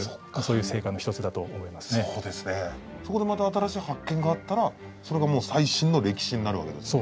そこでまた新しい発見があったらそれがもう最新の歴史になるわけですもんね。